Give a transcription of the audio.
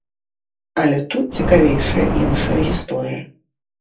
Але тут цікавейшая іншая гісторыя.